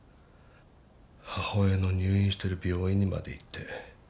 母親の入院してる病院にまで行って。